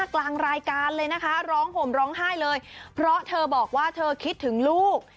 กลางรายการเลยนะคะร้องห่มร้องไห้เลยเพราะเธอบอกว่าเธอคิดถึงลูก